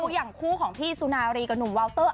อย่างคู่ของพี่สุนารีกับหนุ่มวาวเตอร์